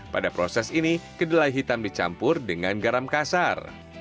pada proses ini kedelai hitam dicampur dengan garam kasar